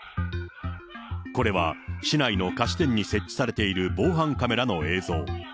これは市内の菓子店に設置されている防犯カメラの映像。